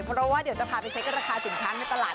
เพราะว่าเดี๋ยวจะพาไปเช็คราคาสินค้าในตลาด